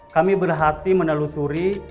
kami berhasil menelusuri